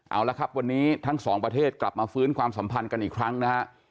เอาละครับวันนี้ทั้งสองประเทศกลับมาฟื้นความสัมพันธ์กันอีกครั้งนะฮะ